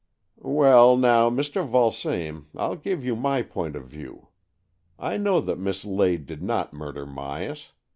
"Well now, Mr. Vulsame, Til give you my point of view. I know that Miss Lade did not murder Myas.